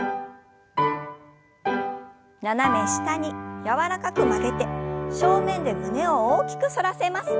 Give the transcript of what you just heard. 斜め下に柔らかく曲げて正面で胸を大きく反らせます。